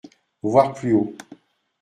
(Voir plus haut).